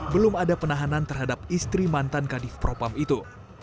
belum ada penahanan terhadap istri mantan kadif propam itu